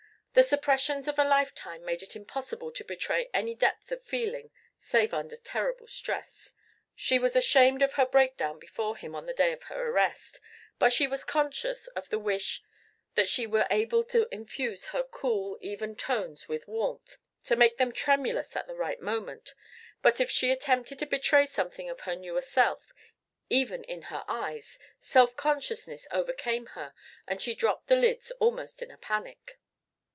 The suppressions of a lifetime made it impossible to betray any depth of feeling save under terrible stress. She was ashamed of her breakdown before him on the day of her arrest, but she was conscious of the wish that she were able to infuse her cool even tones with warmth, to make them tremulous at the right moment; but if she attempted to betray something of her newer self even in her eyes, self consciousness overcame her and she dropped the lids almost in a panic.